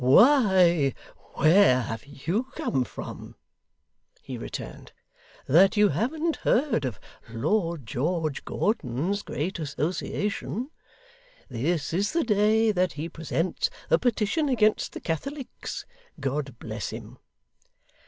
'Why, where have you come from,' he returned, 'that you haven't heard of Lord George Gordon's great association? This is the day that he presents the petition against the Catholics, God bless him!